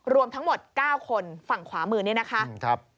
รวมทั้งหมด๙คนฝั่งขวามือนี้นะคะ